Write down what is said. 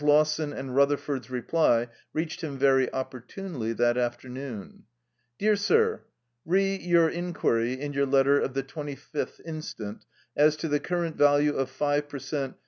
Lawson and Rutherford's reply reached him very opportunely that afternoon. "Dear Sir, Re your inquiry in your letter of the twenty fifth instant, as to the current value of 5 per cent.